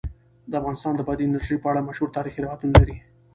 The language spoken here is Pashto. افغانستان د بادي انرژي په اړه مشهور تاریخی روایتونه لري.